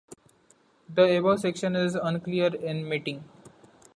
The above section is unclear in meaning.